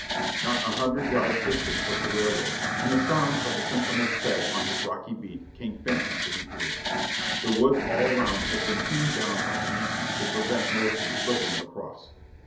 Not a hundred yards distant was the railroad, and the sound of the sentinel's tread on his rocky beat came faintly to the ear. The woods all around had been hewn down by the Yankees to prevent Mosby slipping across.